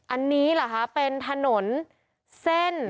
อันนี้เหรอคะเป็นถนนเส้น